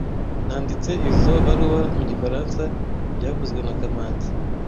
Nanditse izoi baruwa mu gifaransa byavuzwe na kamanzi